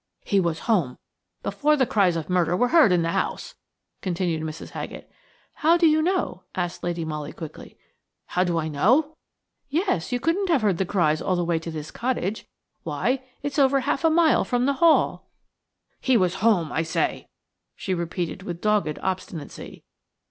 "He was home before the cries of 'Murder' were heard in the house," continued Mrs. Haggett. "How do you know?" asked Lady Molly, quickly. "How do I know?" "Yes; you couldn't have heard the cries all the way to this cottage–why, it's over half a mile from the Hall!" "He was home, I say," she repeated with dogged obstinacy.